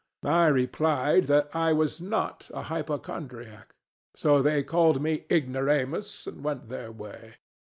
I replied that I was not a hypochondriac; so they called me Ignoramus and went their way.